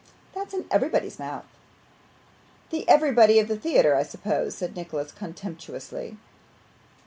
'That's in everybody's mouth.' 'The "everybody" of the theatre, I suppose?' said Nicholas, contemptuously.